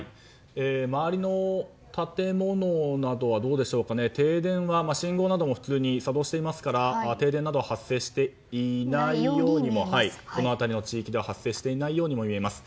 周りの建物などは停電は信号などは普通に作動していますから停電などは発生していないようにこの辺りの地域では発生していないようにも見えます。